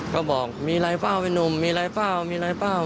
ก็บอกมีอะไรเปล่าเป็นนุ่มมีอะไรเปล่ามีอะไรเปล่า